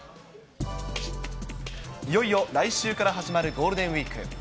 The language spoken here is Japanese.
いよいよ来週から始まるゴールデンウィーク。